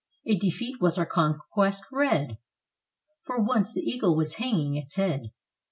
A defeat was our conquest red! For once the Eagle was hanging its head.